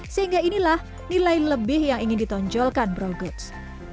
sehingga inilah nilai lebih yang ingin ditonjolkan bro goods